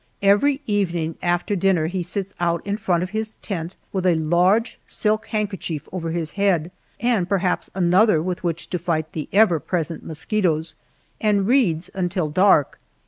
Every evening after dinner he sits out in front of his tent with a large silk handkerchief over his head, and perhaps another with which to fight the ever present mosquitoes, and reads until dark.